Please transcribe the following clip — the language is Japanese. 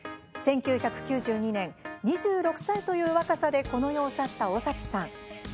１９９２年、２６歳という若さでこの世を去った尾崎さん。